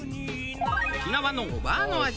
沖縄のおばあの味